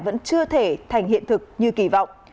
vẫn chưa thể thành hiện thực như kỳ vọng